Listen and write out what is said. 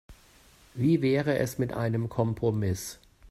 Wie wäre es mit einem Kompromiss?